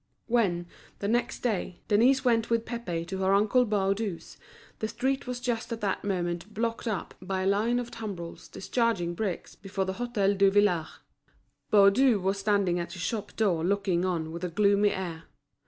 When, the next day, Denise went with Pépé to her uncle Baudu's, the street was just at that moment blocked up by a line of tumbrels discharging bricks before the Hôtel Duvillard. Baudu was standing at his shop door looking on with a gloomy air.